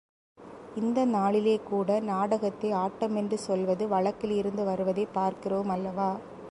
இந்த நாளிலே கூட நாடகத்தை ஆட்டம் என்று சொல்வது வழக்கில் இருந்து வருவதைப் பார்க்கிறோமல்லவா?